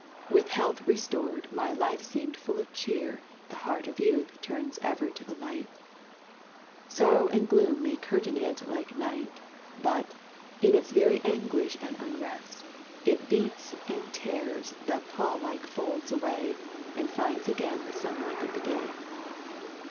With health restored, my life seemed full of cheer The heart of youth turns ever to the light; Sorrow and gloom may curtain it like night, But, in its very anguish and unrest, It beats and tears the pall like folds away, And finds again the sunlight of the day.